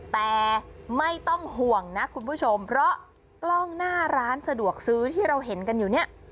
แต่ไม่ต้องห่วงนะคุณผู้ชมเพราะกล้องหน้าร้านสะดวกซื้อที่เราเห็นกันอยู่เนี่ย